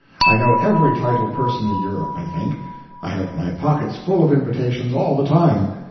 I know every titled person in Europe, I think. I have my pockets full of invitations all the time.